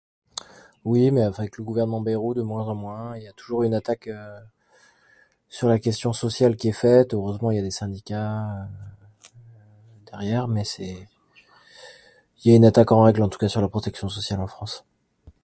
Oui, mais avec le gouvernement Bayrou de moins en moins et il y a toujours une attaque sur la question sociale qui est faite ; heureusement il y a les syndicats, hum, derrière mais c'est... Il y a une attaque en règle en tout cas sur la protection sociale en France.